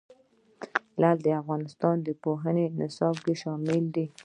لعل د افغانستان د پوهنې نصاب کې شامل دي.